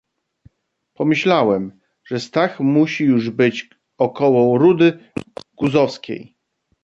"Pomyślałem, że Stach musi już być około Rudy Guzowskiej."